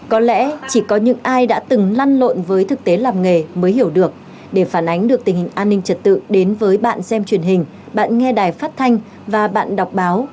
có lẽ chỉ có những ai đã từng lăn lộn với thực tế làm nghề mới hiểu được để phản ánh được tình hình an ninh trật tự đến với bạn xem truyền hình bạn nghe đài phát thanh và bạn đọc báo